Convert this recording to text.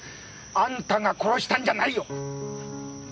あんたが殺したんじゃないよ！